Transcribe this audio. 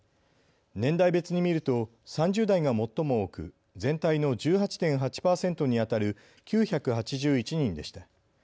年代別に見ると３０代が最も多く全体の１８．８％にあたる９８１人でした。